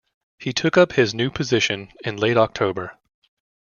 He took up his new position in late October.